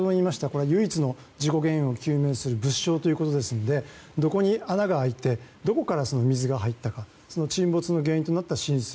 これは唯一の事故原因を究明する物証ということですのでどこに穴が開いてどこから水が入ったかその沈没の原因となった浸水。